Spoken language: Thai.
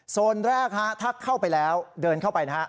โซนแรกถ้าเข้าไปแล้วเดินเข้าไปนะฮะ